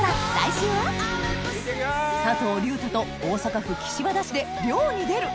佐藤隆太と大阪府岸和田市で漁に出る！